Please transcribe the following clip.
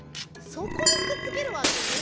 そこにくっつけるわけね。